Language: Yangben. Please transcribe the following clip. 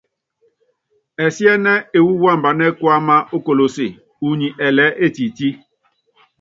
Ɛsíɛ́nɛ́ ewú wambanɛ́ kuáma ókolóse, unyi ɛlɛɛ́ etití.